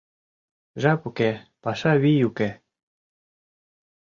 Жап уке, паша вий уке.